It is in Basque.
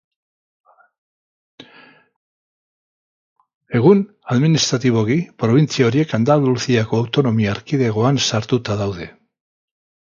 Egun, administratiboki, probintzia horiek Andaluziako autonomia erkidegoan sartuta daude.